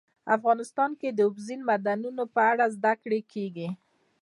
افغانستان کې د اوبزین معدنونه په اړه زده کړه کېږي.